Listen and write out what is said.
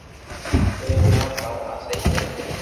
تو ھي ھڻاو ڪاو آ سھي ھي